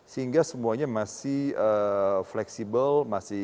sehingga semuanya masih fleksibel